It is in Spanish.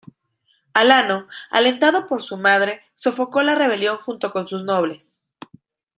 Alano, alentado por su madre, sofocó la rebelión junto con sus nobles.